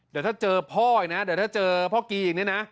เดี๋ยวถ้าเจอพ่ออีกนะเดี๋ยวถ้าเจอพ่อกีอีกเนี่ยนะ